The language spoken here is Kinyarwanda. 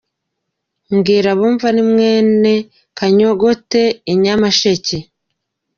Mbwira abumva ni mwene Kanyogote I Nyamasheke.